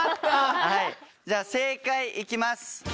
じゃあ正解いきます。